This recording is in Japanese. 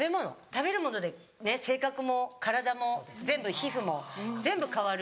食べる物で性格も体も全部皮膚も全部変わる。